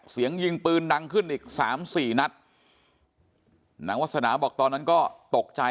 เสียงยิงปืนดังขึ้นอีกสามสี่นัดนางวาสนาบอกตอนนั้นก็ตกใจ